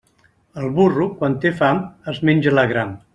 El burro, quan té fam, es menja l'agram.